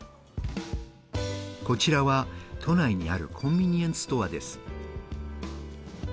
こちらは都内にあるコンビニエンスストアです。